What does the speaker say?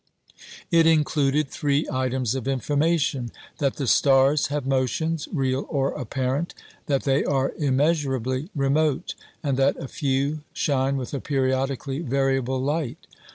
It included three items of information: that the stars have motions, real or apparent; that they are immeasurably remote; and that a few shine with a periodically variable light.